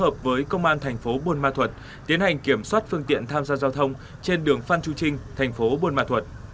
hợp với công an thành phố buôn ma thuật tiến hành kiểm soát phương tiện tham gia giao thông trên đường phan chu trinh thành phố buôn ma thuật